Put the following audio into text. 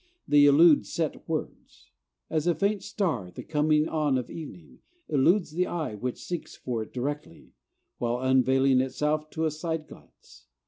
They elude set words; as a faint star, at the coming on of evening, eludes the eye which seeks for it directly, while unveiling itself to a side glance.